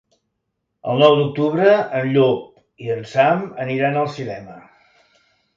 El nou d'octubre en Llop i en Sam aniran al cinema.